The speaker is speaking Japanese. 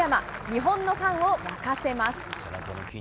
日本のファンを沸かせます。